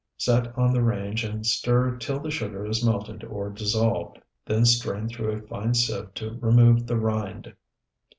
Set on the range and stir till the sugar is melted or dissolved, then strain through a fine sieve to remove the rind.